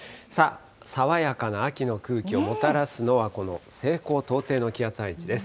爽やかな秋の空気をもたらすのは、この西高東低の気圧配置です。